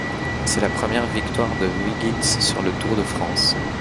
C'est la première victoire de Wiggins sur le Tour de France.